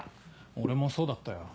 俺もそうだったよ。